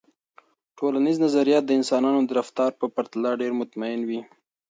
ټولنیز نظریات د انسانانو د رفتار په پرتله ډیر مطمئن وي.